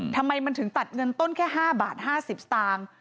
ทำไมมันถึงตัดเงินต้นแค่๕บาท๕๐สตางค์